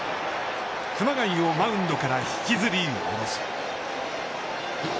熊谷をマウンドから引きずりおろす。